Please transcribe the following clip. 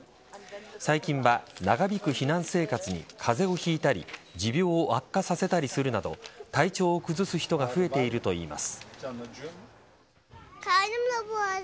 最近は、長引く避難生活に風邪をひいたり持病を悪化させたりするなど体調を崩す人が増えているといいます。